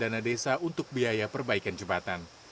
dana desa untuk biaya perbaikan jembatan